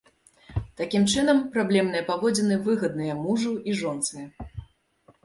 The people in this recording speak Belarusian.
Такім чынам, праблемныя паводзіны выгадныя мужу і жонцы.